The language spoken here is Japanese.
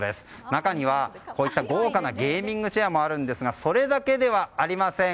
中には、こういった豪華なゲーミングチェアもあるんですがそれだけではありません。